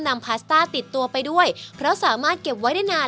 พาสต้าติดตัวไปด้วยเพราะสามารถเก็บไว้ได้นาน